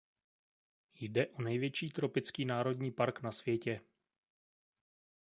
Jde o největší tropický národní park na světě.